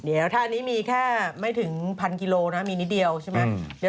เดี๋ยวถ้าอันนี้มีแค่ไม่ถึงพันกิโลนะมีนิดเดียวใช่ไหม